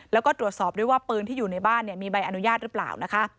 แล้วก็ตรวจสอบด้วยว่าปืนที่อยู่ในบ้านมีใบอนุญาตหรือเปล่านะคะ